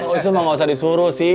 oh iya gak usah disuruh sih